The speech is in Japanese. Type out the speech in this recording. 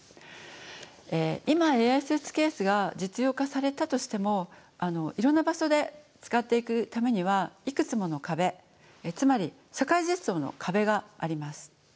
今ＡＩスーツケースが実用化されたとしてもいろんな場所で使っていくためにはいくつもの壁つまり社会実装の壁があります。